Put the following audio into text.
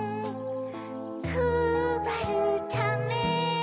くばるため